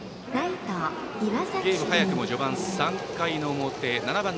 ゲームは早くも序盤、３回の表。